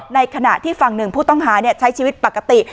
ในขณะที่ฝั่งหนึ่งผู้ต้องหาใช้ชีวิตปกติ